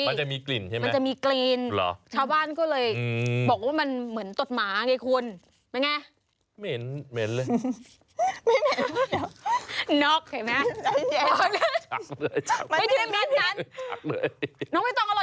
อันนี้อยากให้คุณรู้สึกเหมือนดิฉัน